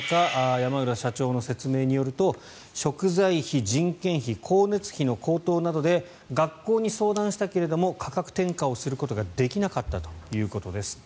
山浦社長の説明によると食材費、人件費、光熱費の高騰などで学校に相談したけれども価格転嫁をすることができなかったということです。